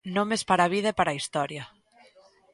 Nomes para a vida e para a historia.